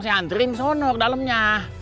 saya anterin senur dalemnya